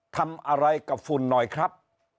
ทำอะไรกับฝุ่นหน่อยครับ